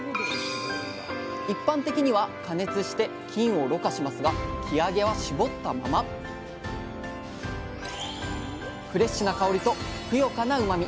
一般的には加熱して菌をろ過しますがフレッシュな香りとふくよかなうまみ。